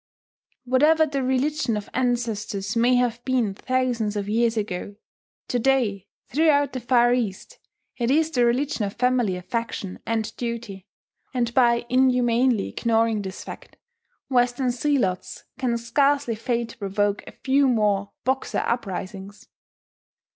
Whatever the religion of ancestors may have been thousands of years ago, to day throughout the Far East it is the religion of family affection and duty; and by inhumanly ignoring this fact, Western zealots can scarcely fail to provoke a few more "Boxer" uprisings.